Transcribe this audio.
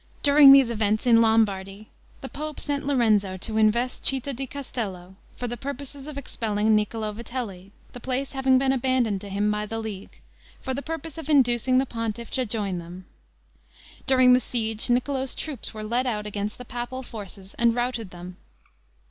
During these events in Lombardy, the pope sent Lorenzo to invest Citta di Castello, for the purpose of expelling Niccolo Vitelli, the place having been abandoned to him by the League, for the purpose of inducing the pontiff to join them. During the siege, Niccolo's troops were led out against the papal forces and routed them.